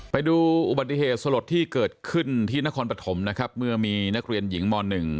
ไปดูอุบัติเหตุสลดที่เกิดขึ้นที่นครปฐมนะครับเมื่อมีนักเรียนหญิงม๑